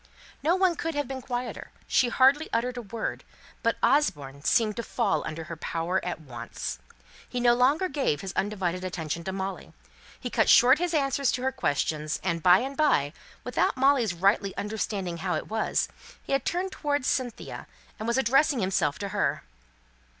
No one could have been quieter she hardly uttered a word; but Osborne seemed to fall under her power at once. He no longer gave his undivided attention to Molly. He cut short his answers to her questions; and by and by, without Molly's rightly understanding how it was, he had turned towards Cynthia, and was addressing himself to her.